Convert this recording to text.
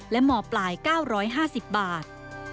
และมปลาย๙๕๐บาท